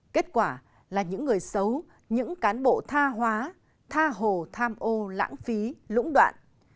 kết quả là những người xấu những cán bộ tha hóa tha hồ tham ô lãng phí lũng đoạn